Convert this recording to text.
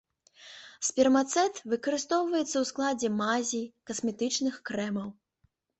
Спермацэт выкарыстоўваецца у складзе мазей, касметычных крэмаў.